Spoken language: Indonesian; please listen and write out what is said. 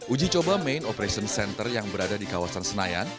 uji coba main operation center yang berada di kawasan senayan